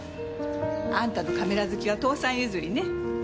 あんたのカメラ好きは父さん譲りね。